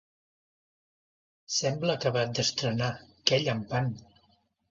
Sembla acabat d'estrenar: que llampant!